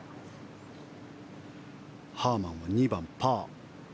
ハーマンが２番、パー。